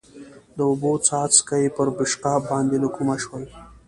د اوبو څاڅکي پر پېشقاب باندې له کومه شول؟